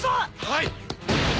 はい。